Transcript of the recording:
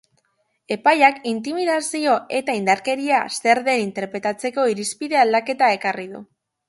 Epaiak intimidazio eta indarkeria zer den interpretatzeko irizpide aldaketa ekarri du.